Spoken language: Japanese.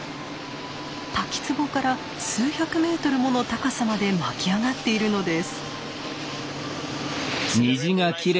滝つぼから数百メートルもの高さまで巻き上がっているのです。